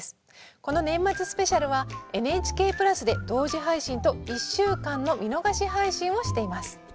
この「年末スペシャル」はＮＨＫプラスで同時配信と１週間の見逃し配信をしています。